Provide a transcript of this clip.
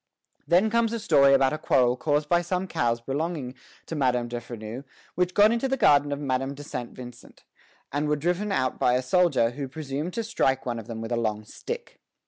Then comes a story about a quarrel caused by some cows belonging to Madame de Freneuse which got into the garden of Madame de Saint Vincent, and were driven out by a soldier who presumed to strike one of them with a long stick.